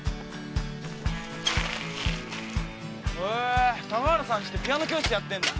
へえ高原さんちってピアノ教室やってんだ。